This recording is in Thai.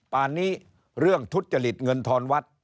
ป่านนี้เรื่องทุจริตเงินทอนวัด